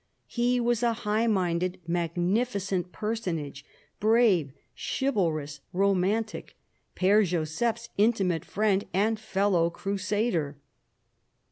He was a high minded, magnificent personage, brave, chivalrous, romantic — P^re Joseph's intimate friend and fellow crusader.